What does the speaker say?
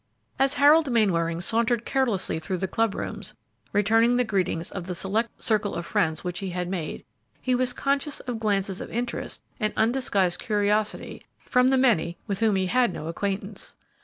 As Harold Mainwaring sauntered carelessly through the club rooms, returning the greetings of the select circle of friends which he had made, he was conscious of glances of interest and undisguised curiosity from the many with whom he had no acquaintance.